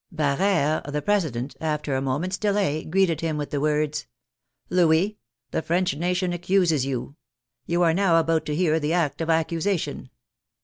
Barere, the President, after a moment's delay, greeted him with the words, " Louis, the French nation accuses you; you are now about to hear the act of accusation.